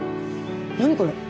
何これ？